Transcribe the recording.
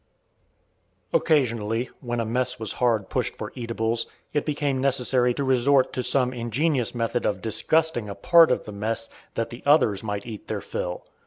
Occasionally, when a mess was hard pushed for eatables, it became necessary to resort to some ingenious method of disgusting a part of the mess, that the others might eat their fill.